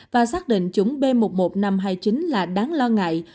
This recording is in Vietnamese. và xác định chủng b một một năm trăm hai mươi chín là đáng lo ngại